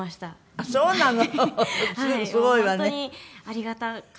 ああそうなの。